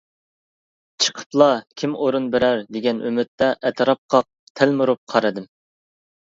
چىقىپلا «كىم ئورۇن بېرەر» دېگەن ئۈمىدتە ئەتراپقا تەلمۈرۈپ قارىدىم.